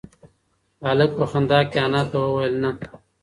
هلک په خندا کې انا ته وویل نه.